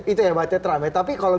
itu yang bahagia teramai tapi kalau